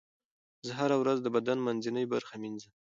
زه هره ورځ د بدن منځنۍ برخه مینځم.